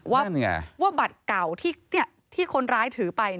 ว่าบัตรเก่าที่คนร้ายถือไป